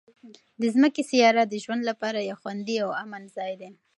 د ځمکې سیاره د ژوند لپاره یو خوندي او امن ځای دی.